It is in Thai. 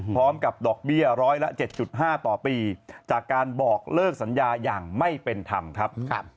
พร้อมกับดอกเบี้ยร้อยละ๗๕ต่อปีจากการบอกเลิกสัญญาอย่างไม่เป็นธรรมครับ